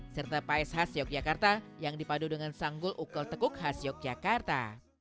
serta pais khas yogyakarta yang dipadu dengan sanggul ukel tekuk khas yogyakarta